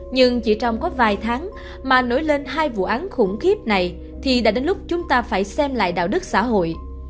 nhưng chỉ trong có vài tháng mà nổi lên hai vụ án khủng khiếp này thì đã đến lúc chúng ta phải xem lại đạo đức xã hội